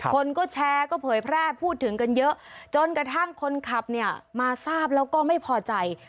คนก็แชร์ก็เผยแพร่พูดถึงกันเยอะจนกระทั่งคนขับเนี่ยมาทราบแล้วก็ไม่พอใจ